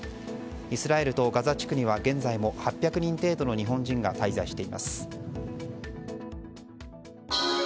イスラエルとガザ地区には現在も８００人程度の日本人が滞在しています。